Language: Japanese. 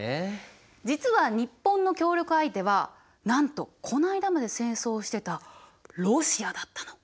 実は日本の協力相手はなんとこの間まで戦争をしてたロシアだったの。